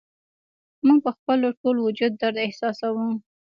موږ په خپل ټول وجود درد احساسوو